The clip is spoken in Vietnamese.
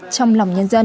trong lòng nhân dân